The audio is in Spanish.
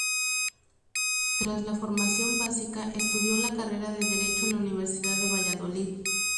Tras la formación básica, estudió la carrera de Derecho en la Universidad de Valladolid.